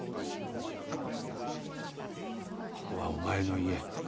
ここはお前の家。